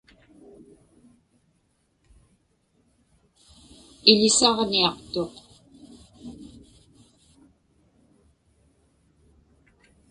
Iḷisaġniaqtuq.